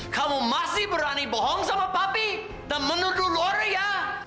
kamu masih berani bohong sama papi dan menuduh oria